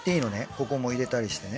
ここも入れたりしてね。